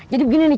jadi begini nih